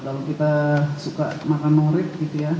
kalau kita suka makan morik gitu ya